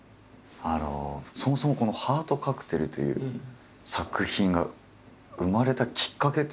あのそもそも「ハートカクテル」という作品が生まれたきっかけというのは？